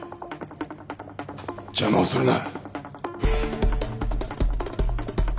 邪魔をするな。